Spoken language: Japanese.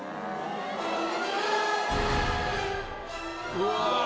うわ！